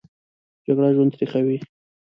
جګړه ژوند تریخوي